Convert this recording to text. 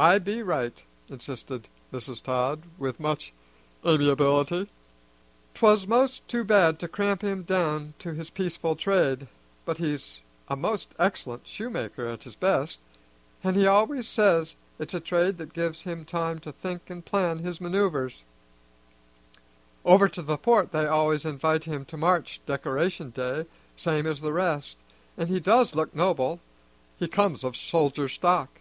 "I be right," insisted Mrs. Todd with much amiability. "'Twas most too bad to cramp him down to his peaceful trade, but he's a most excellent shoemaker at his best, an' he always says it's a trade that gives him time to think an' plan his maneuvers. Over to the Port they always invite him to march Decoration Day, same as the rest, an' he does look noble; he comes of soldier stock."